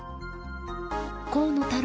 河野太郎